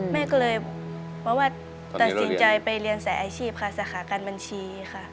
แม่ก็เลยมาวัดตัดสินใจไปเรียนใส่อาชีพค่ะสถานการณ์บัญชีค่ะ